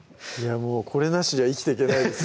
もうこれなしじゃ生きていけないですよ